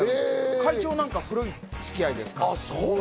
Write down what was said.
会長なんかは古い付き合いで。